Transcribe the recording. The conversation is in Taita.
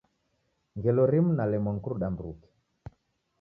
Ngelo rimu nalemwa ni kuruda mruke.